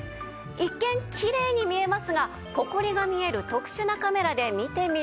一見きれいに見えますがホコリが見える特殊なカメラで見てみると。